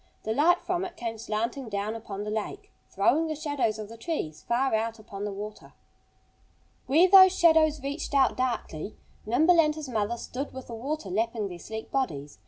The light from it came slanting down upon the lake, throwing the shadows of the trees far out upon the water. Where those shadows reached out darkly Nimble and his mother stood with the water lapping their sleek bodies.